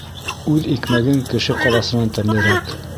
Үҙ икмәгең кеше ҡаласынан тәмлерәк.